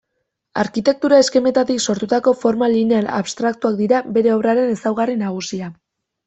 Arkitektura-eskemetatik sortutako forma lineal abstraktuak dira bere obraren ezaugarri nagusia.